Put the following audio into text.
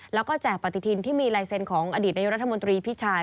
แล้วก็แจกปฏิทินที่มีลายเซ็นต์ของอดีตนายกรัฐมนตรีพี่ชาย